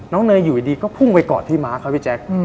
เนยอยู่ดีก็พุ่งไปกอดที่ม้าครับพี่แจ๊ค